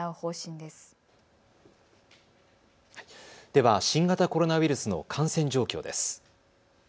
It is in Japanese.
では新型コロナウイルスの感染状況です。